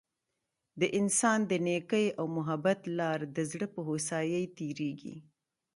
د انسان د نیکۍ او محبت لار د زړه په هوسايۍ تیریږي.